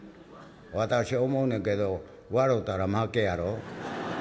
私思うねんけど笑うたら負けやろ？」。